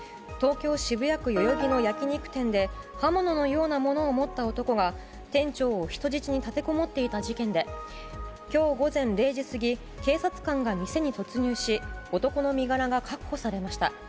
東京・渋谷区代々木の焼き肉店で刃物のようなものを持った男が店長を人質に立てこもっていた事件で今日午前０時過ぎ、警察官が店に突入し男の身柄が確保されました。